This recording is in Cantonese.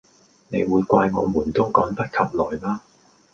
你會怪我們都趕不及來嗎？